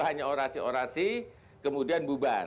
hanya orasi orasi kemudian bubar